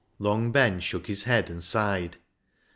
" Long Ben shook his head, and sighed.